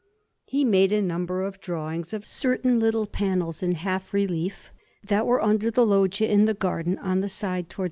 He made a number of drawings of certain little panels in half relief that were under the loggia in the garden, on the side towards S.